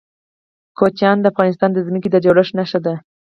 کوچیان د افغانستان د ځمکې د جوړښت نښه ده.